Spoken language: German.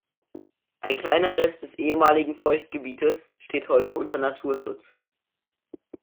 Ein kleiner Rest des ehemaligen Feuchtgebietes steht heute unter Naturschutz.